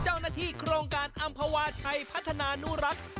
เจ้านาฬิกโครงการอัมพวาชัยพัฒนานุรักษ์